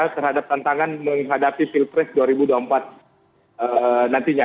terhadap tantangan menghadapi pilpres dua ribu dua puluh empat nantinya